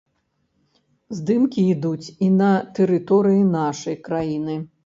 Здымкі ідуць і на тэрыторыі нашай краіны.